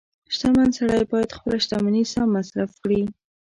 • شتمن سړی باید خپله شتمني سم مصرف کړي.